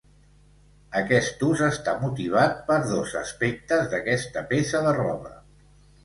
Aquest ús està motivat, per dos aspectes d'aquesta peça de roba.